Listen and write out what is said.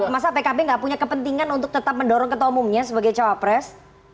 masa pkb nggak punya kepentingan untuk tetap mendorong ketua umumnya sebagai cawapres